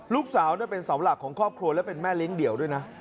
ลูกสาวเป็นเสาหลักของครอบครัวและเป็นแม่เลี้ยงเดี่ยวด้วยนะ